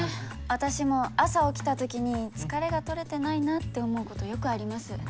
私も朝起きたときに疲れが取れてないなって思うことよくあります。